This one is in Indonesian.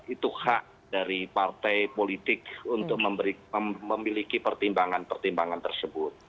itu hak dari partai politik untuk memiliki pertimbangan pertimbangan tersebut